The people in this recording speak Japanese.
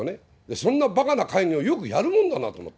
そんなばかな会議をよくやれるもんだなと思って。